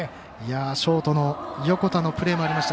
ショートの横田のプレーもありました。